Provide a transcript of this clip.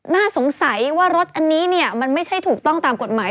น่าสงสัยว่ารถอันนี้เนี่ยมันไม่ใช่ถูกต้องตามกฎหมาย